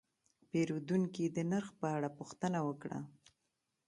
پیرودونکی د نرخ په اړه پوښتنه وکړه.